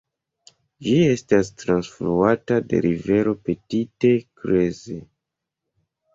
Ĝi estas trafluata de la rivero Petite Creuse.